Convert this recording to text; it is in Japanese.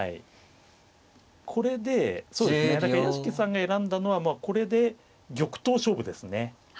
これで屋敷さんが選んだのはこれで玉頭勝負ですね。